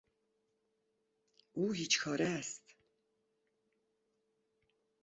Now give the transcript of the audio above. او هیچ کاره است.